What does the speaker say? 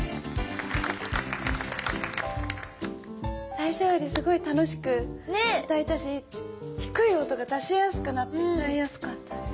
最初よりすごい楽しく歌えたし低い音が出しやすくなって歌いやすかったです。